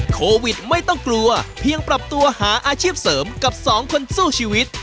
โควิดไม่ต้องกลัวเพียงปรับตัวหาอาชีพเสริมกับสองคนสู้ชีวิต